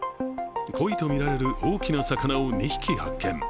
コイとみられる大きな魚を２匹発見